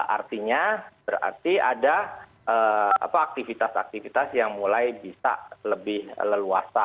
artinya berarti ada aktivitas aktivitas yang mulai bisa lebih leluasa